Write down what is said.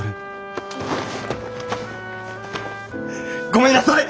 ごめんなさい！